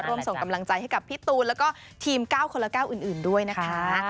ร่วมส่งกำลังใจให้กับพี่ตูนแล้วก็ทีม๙คนละ๙อื่นด้วยนะคะ